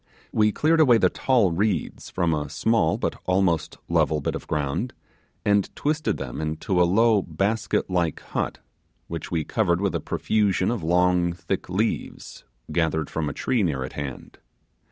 We cleared away the tall reeds from the small but almost level bit of ground, and twisted them into a low basket like hut, which we covered with a profusion of long thick leaves, gathered from a tree near at hand.